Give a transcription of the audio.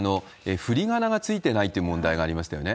ふりがなが付いてないという問題がありましたよね。